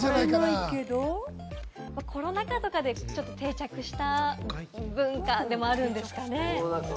コロナ禍とかで定着した文化でもあるんですね。